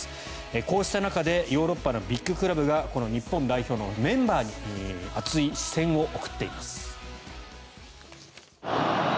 こうした中でヨーロッパのビッグクラブが日本代表のメンバーに熱い視線を送っています。